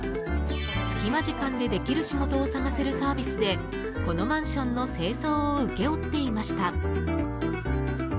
隙間時間でできる仕事を探せるサービスでこのマンションの清掃を請け負っていました。